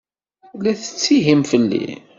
La tettihim fell-i?